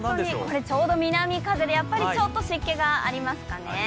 これちょうど南風でやっぱりちょっと湿気がありますかね。